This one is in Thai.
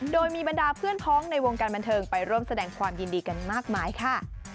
โดยมีบรรดาเพื่อนพ้องในวงการบันเทิงไปร่วมแสดงความยินดีกันมากมายค่ะ